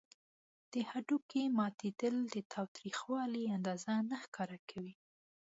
د هډوکي ماتیدل د تاوتریخوالي اندازه نه ښکاره کوي.